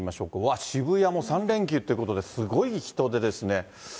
うわっ、渋谷も３連休ということで、すごい人出ですね。